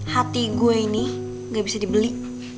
hati gue ini gak bisa dibeli